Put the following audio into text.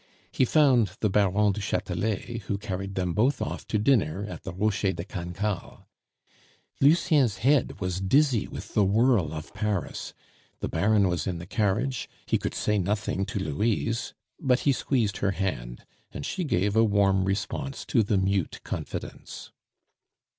He found the Baron du Chatelet, who carried them both off to dinner at the Rocher de Cancale. Lucien's head was dizzy with the whirl of Paris, the Baron was in the carriage, he could say nothing to Louise, but he squeezed her hand, and she gave a warm response to the mute confidence.